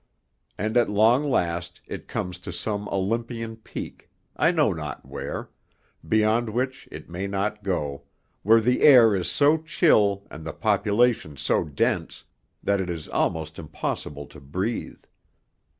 And at long last it comes to some Olympian peak I know not where beyond which it may not go, where the air is so chill and the population so dense, that it is almost impossible to breathe.